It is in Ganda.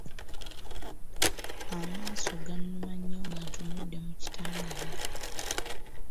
Amaaso gannuma nnyo nga ntunudde mu kitangaala.